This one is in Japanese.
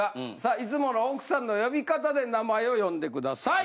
いつもの奥さんの呼び方で名前を呼んでください。